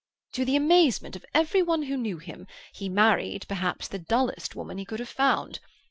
To the amazement of every one who knew him, he married perhaps the dullest woman he could have found.